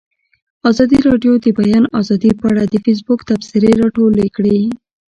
ازادي راډیو د د بیان آزادي په اړه د فیسبوک تبصرې راټولې کړي.